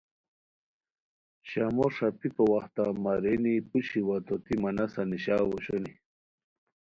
شامو ݰاپیکو وختہ مہ رینی پوشی وا طوطی مہ نسہ نیشاؤ اوشونی